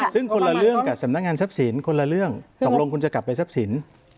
ซึ่งคนละเรื่องกับสำนักงานทรัพย์สินคนละเรื่องตกลงคุณจะกลับไปทรัพย์สิน